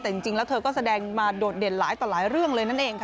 แต่จริงแล้วเธอก็แสดงมาโดดเด่นหลายต่อหลายเรื่องเลยนั่นเองค่ะ